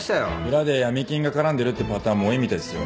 裏で闇金が絡んでるってパターンも多いみたいですよ。